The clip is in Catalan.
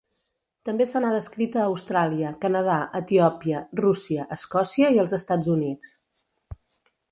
També se n'ha descrit a Austràlia, Canadà, Etiòpia, Rússia, Escòcia i els Estats Units.